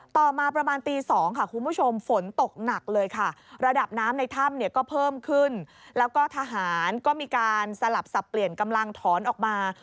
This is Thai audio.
ต่อมาประมาณตี๒ค่ะคุณผู้ชมฝนตกหนักเลยค่ะระดับน้ำในถ้ำเนี่ยก็เพิ่มขึ้นแล้วก็ทหารก็มีการสลับสับเปลี่ยนกำลังถอนออกมา